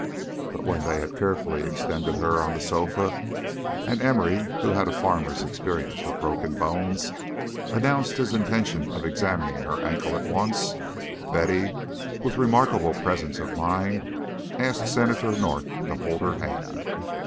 But when they had carefully extended her on the sofas and Emory, who had a farmer's experience with broken bones, announced his intention of examining her ankle at once, Betty with remarkable presence of mind asked Senator North to hold her hand.